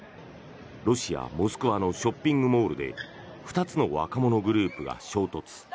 ロシア・モスクワのショッピングモールで２つの若者グループが衝突。